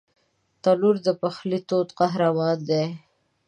تنور د پخلي تود قهرمان دی